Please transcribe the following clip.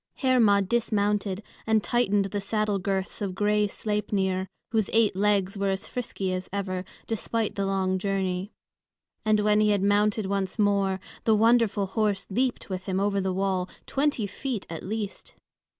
Hermod dismounted and tightened the saddle girths of gray Sleipnir, whose eight legs were as frisky as ever, despite the long journey. And when he had mounted once more, the wonderful horse leaped with him over the wall, twenty feet at least!